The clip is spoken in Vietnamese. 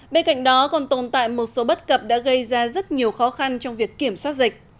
bên cạnh đó còn tồn tại một số bất cập đã gây ra rất nhiều khó khăn trong việc kiểm soát dịch